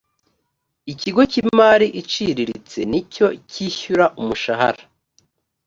ikigo cy imari iciriritse ni cyo cyishyura umushahara